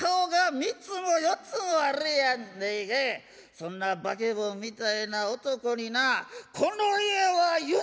そんな化け物みたいな男になこの家は譲れんぞ！」。